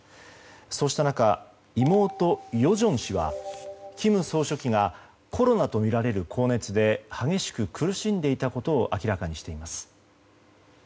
そうした中、妹・与正氏は金総書記がコロナとみられる高熱で激しく苦しんでいたことを明らかにしています。